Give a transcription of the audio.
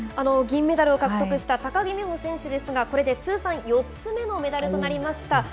銀メダルを獲得した高木美帆選手ですが、これで通算４つ目のメダルとなりました。